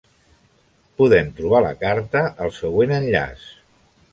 Podem trobar la carta al següent enllaç.